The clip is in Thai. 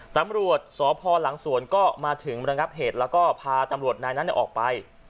ตำรวจสพหลังสวนก็มาถึงระงับเหตุแล้วก็พาตำรวจนายนั้นออกไป